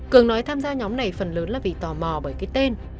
cường nói tham gia nhóm này phần lớn là vì tò mò bởi cái tên